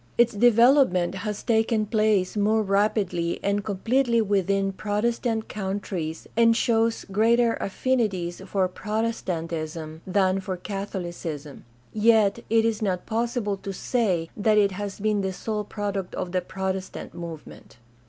Its development has taken place more rapidly and completely within Protestant countries and shows greater affinities for Protestantism than for Catholicism; yet it is not possible to say that it has been the sole product of the Protestant movement.